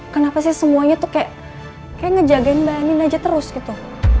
kenapa sih semuanya tuh kayak ngejagain mbak ain aja terus gitu